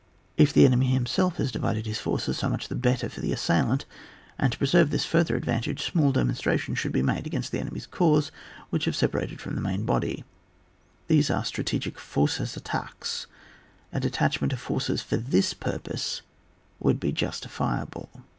If the enemy himself has divided his forces, so much the better for the assailant, and to preserve this further advantage small demonstrations should be made against the enemy's corps which have separated from the main body ; these are the strategic fausses attaqties ; a detachment of forces for this pwpose would then be justifiable.